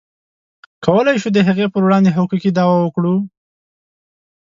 کولی شو د هغې پر وړاندې حقوقي دعوه وکړو.